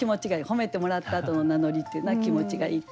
褒めてもらったあとの名乗りというのは気持ちがいい。